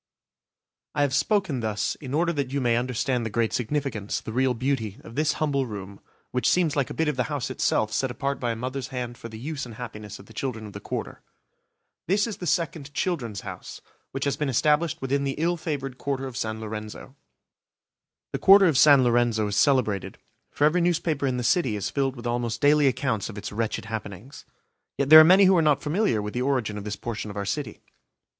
I have spoken thus in order that you may understand the great significance, the real beauty, of this humble room, which seems like a bit of the house itself set apart by a mother's hand for the use and happiness of the children of the Quarter. This is the second "Children's House" 5 which has been established within the ill favoured Quarter of San Lorenzo. The Quarter of San Lorenzo is celebrated, for every newspaper in the city is filled with almost daily accounts of its wretched happenings. Yet there are many who are not familiar with the origin of this portion of our city.